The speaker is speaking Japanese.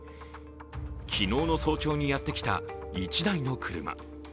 昨日の早朝にやってきた１台の車。